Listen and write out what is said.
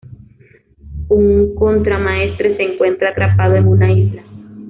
Un contramaestre se encuentra atrapado en una isla.